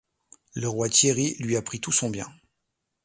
Le roi Thierry lui a pris tout son bien.